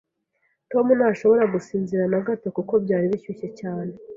Tom ntashobora gusinzira na gato kuko byari bishyushye cyane.